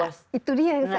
nah itu dia yang saya